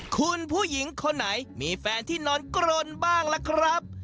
คุณผู้หญิงคนไหนมีแฟนที่นอนกรนบ้างล่ะครับ